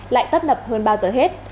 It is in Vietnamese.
lại tấp nập hơn ba giờ hết